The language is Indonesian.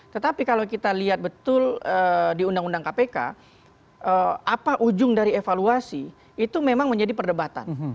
tetapi kalau kita lihat betul di undang undang kpk apa ujung dari evaluasi itu memang menjadi perdebatan